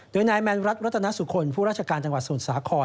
โดยนายแมนรัฐรัตนสุคลผู้ราชการจังหวัดสมุทรสาคร